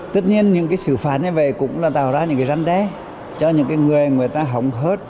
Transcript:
tất nhiên những sự phạt như vậy cũng là tạo ra những răn ré cho những người người ta hỏng hớt